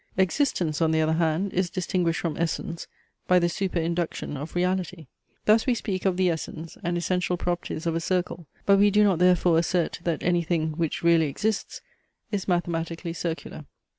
Existence, on the other hand, is distinguished from essence, by the superinduction of reality. Thus we speak of the essence, and essential properties of a circle; but we do not therefore assert, that any thing, which really exists, is mathematically circular.